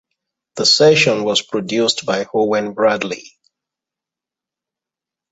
The session was produced by Owen Bradley.